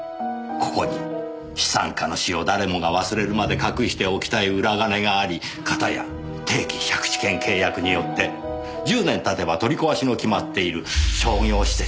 ここに資産家の死を誰もが忘れるまで隠しておきたい裏金があり片や定期借地権契約によって１０年経てば取り壊しの決まっている商業施設